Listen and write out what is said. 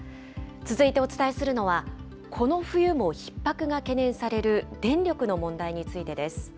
続いてお伝えするのは、この冬もひっ迫が懸念される電力の問題についてです。